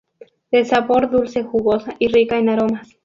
De sabor dulce jugosa, y rica en aromas.